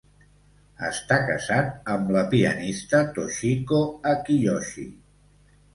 Està casat amb la pianista Toshiko Akiyoshi.